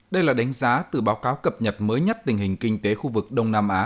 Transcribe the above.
đây là đánh giá từ báo cáo cập nhật mới nhất tình hình kinh tế khu vực đông nam á